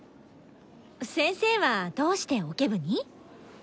先生はどうしてオケ部に？